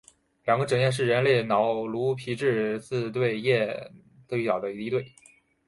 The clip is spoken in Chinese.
两个枕叶是人类脑颅皮质四对脑叶最小的一对。